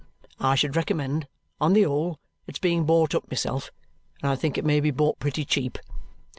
I should recommend, on the whole, it's being bought up myself; and I think it may be bought pretty cheap.